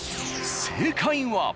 正解は。